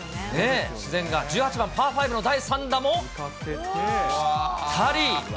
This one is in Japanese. １８番パー５の第３打もぴったり。